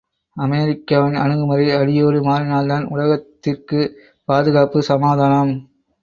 அமெரிக்காவின் அணுகுமுறை அடியோடு மாறினால்தான் உலகத்திற்குப் பாதுகாப்பு சமாதானம்!